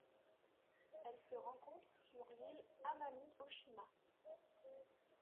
Elle se rencontre sur l'île Amami-Ōshima.